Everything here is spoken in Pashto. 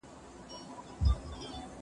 زه کتابتون ته تللي دي؟!